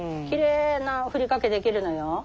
きれいなふりかけできるのよ。